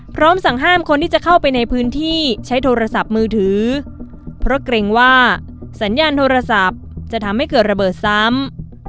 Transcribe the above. สั่งห้ามคนที่จะเข้าไปในพื้นที่ใช้โทรศัพท์มือถือเพราะเกรงว่าสัญญาณโทรศัพท์จะทำให้เกิดระเบิดซ้ำ